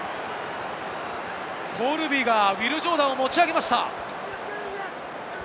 コルビがウィル・ジョーダンを持ち上げました。